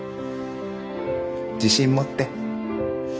自信持って。